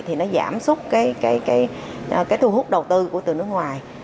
thì nó giảm súc cái thu hút đầu tư từ nước ngoài